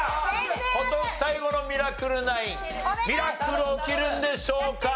今年最後の『ミラクル９』ミラクル起きるんでしょうか？